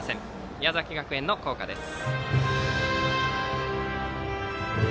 宮崎学園の校歌です。